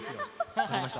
分かりました。